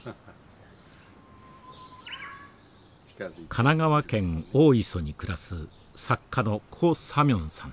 神奈川県大磯に暮らす作家の高史明さん。